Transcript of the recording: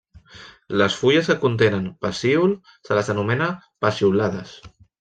Les fulles que contenen pecíol se les anomena peciolades.